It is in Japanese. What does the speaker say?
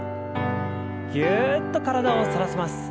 ぎゅっと体を反らせます。